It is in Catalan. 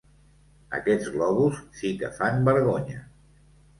Aquests globus sí que fan vergonya.